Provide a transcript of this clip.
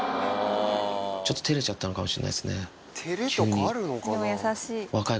ちょっと照れちゃったのかもしれないですね。